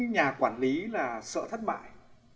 những nhà quản lý là sợ thất bại